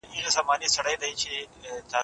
د ښار ژوند ډېري اسانتیاوي لري.